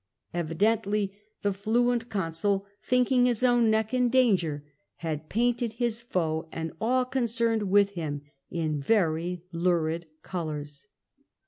Evidently the fluent consul, thinking his own neck in danger, had painted his foe and all concerned with him in very lurid colours.